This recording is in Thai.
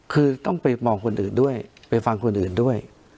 คือต้องไปมองคนอื่นด้วยไปฟังคนอื่นด้วย